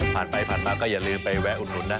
ผ่านไปก็อย่าลืมไปแวะอุดหงษ์นะ